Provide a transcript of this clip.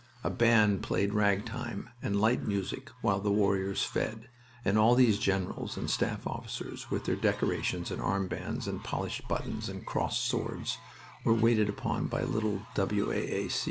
A band played ragtime and light music while the warriors fed, and all these generals and staff officers, with their decorations and arm bands and polished buttons and crossed swords, were waited upon by little W. A. A.